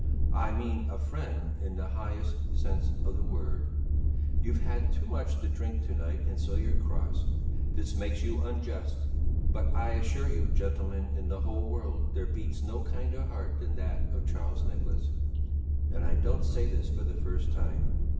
I mean a friend in the highest sense of the word. You've had too much to drink to night and so you're cross; this makes you unjust, but I assure you, gentlemen, in the whole world there beats no kinder heart than that of Charles Nicholas. And I don't say this for the first time.